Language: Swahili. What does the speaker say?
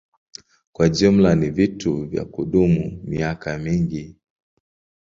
Kwa jumla ni vitu vya kudumu miaka mingi.